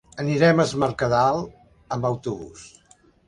Anirem a Es Mercadal amb autobús.